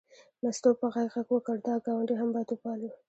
مستو په غږ غږ وکړ دا ګاونډ هم باید وپالو.